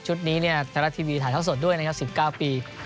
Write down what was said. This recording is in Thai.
ชุดนี้เนี่ยธรรมดาทีวีถ่ายทั้งสดด้วยนะครับ๑๙ปี